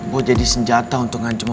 bawa jadi senjata untuk ngancam opa